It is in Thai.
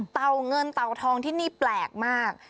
เงินเต่าทองที่นี่แปลกมาก